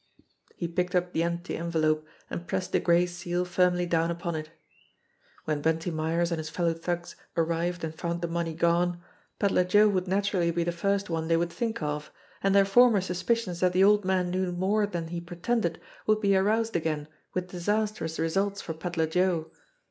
He picked up the empty envelope and pressed the gray seal firmly down upon it. When Bunty Myers and his fellow thugs arrived and found the money gone, Pedler Joe would naturally be the first one they would think of, and their former suspicions that the old man knew more than he pretended would be aroused again with disastrous results for Pedler Joe.